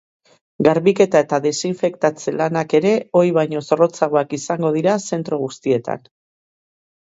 Garbiketa eta desinfektatze lanak ere ohi baino zorrotzagoak izango dira zentro guztietan.